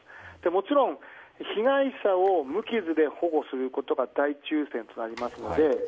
もちろん、被害者を無傷で保護することが第一優先となりますので。